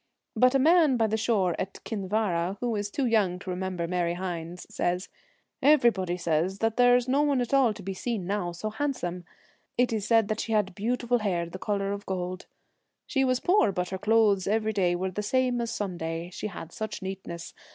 But a man by the shore at Kin vara, who is too young to remember Mary Hynes, says, ' Everybody says there is no one at all to be seen now so handsome ; it is said she had beautiful hair, the colour of gold. She was poor, but her clothes every day were the same as Sun day, she had such neatness.